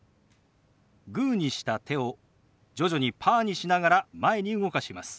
グーにした手を徐々にパーにしながら前に動かします。